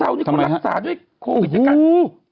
ฉะเชิงเศร้านี่ควรรักษาด้วยโควิดในการ